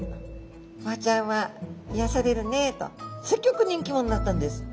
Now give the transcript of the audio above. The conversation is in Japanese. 「ボウちゃんは癒やされるね」とすっギョく人気者になったんです。